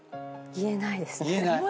言えないです。